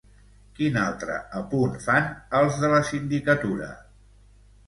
Quin altre apunt fan els de la Sindicatura?